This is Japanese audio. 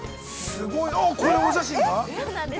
◆すごいな、これ、お写真？